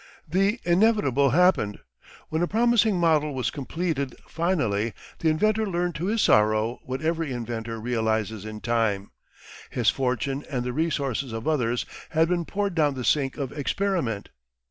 The inevitable happened. When a promising model was completed finally the inventor learned to his sorrow what every inventor realises in time. His fortune and the resources of others had been poured down the sink of experiment.